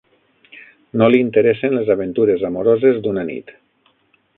No li interessen les aventures amoroses d'una nit.